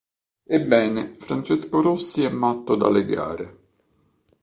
Ebbene, Francesco Rossi è matto da legare.